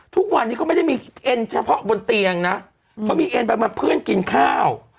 ทุกวันนี้เขาไม่ได้มีเอ็นเฉพาะบนเตียงนะเขามีเอ็นไปมาเพื่อนกินข้าว